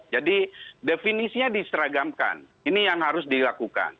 jadi definisinya diseragamkan ini yang harus dilakukan